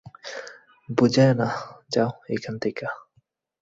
বুঝায়ো না, যাও এইখান থেইক্কা।